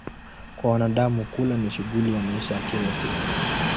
Kwa wanadamu, kula ni shughuli ya maisha ya kila siku.